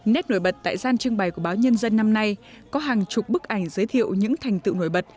nét nổi bật tại gian trưng bày của báo nhân dân năm nay có hàng chục bức ảnh giới thiệu những thành tựu nổi bật